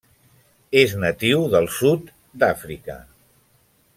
És natiu del sud d'Àfrica.